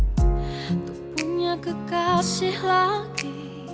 kupunya kekasih lagi